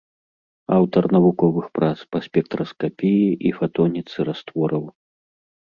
Аўтар навуковых прац па спектраскапіі і фатоніцы раствораў.